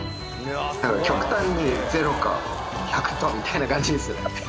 極端にゼロか１００％みたいな感じです。